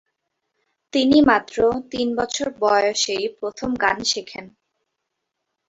তিনি মাত্র তিন বছর বয়সেই প্রথম গান শেখেন।